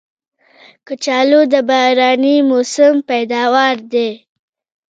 کچالو د باراني موسم پیداوار دی